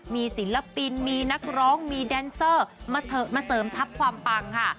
มีศิลปินมีนักร้องมีแดนเซอร์มาเถอะมาเสริมทัพความปังค่ะ